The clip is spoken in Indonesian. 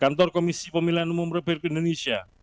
kantor komisi pemilihan umum republik indonesia